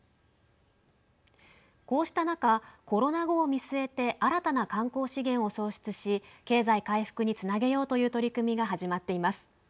こうした中、コロナ後を見据えて新たな観光資源を創出し経済回復につなげようという取り組みが始まっています。